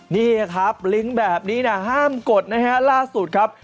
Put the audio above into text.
นี่ครับลิงก์แบบนี้นะห้ามกดนะฮะล่าสุดครับ